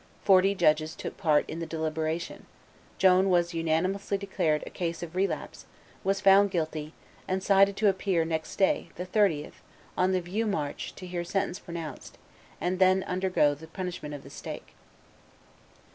Forty judges took part in the deliberation; Joan was unanimously declared a case of relapse, was found guilty, and cited to appear next day, the 30th, on the Vieux Marche to hear sentence pronounced, and then undergo the punishment of the stake.